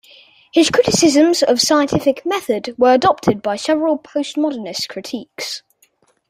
His criticisms of scientific method were adopted by several postmodernist critiques.